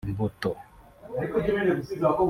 imbuto